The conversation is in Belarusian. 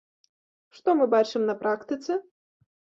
Што мы бачым на практыцы?